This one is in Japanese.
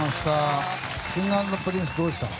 Ｋｉｎｇ＆Ｐｒｉｎｃｅどうでしたか？